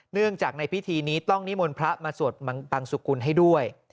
เนื่องจากในพิธีนี้ต้องนิมนต์พระมาสวดบังสุกุลให้ด้วย